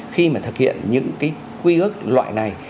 khi mà thực hiện những cái quy ước loại này